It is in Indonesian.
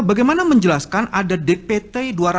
bagaimana menjelaskan ada dpt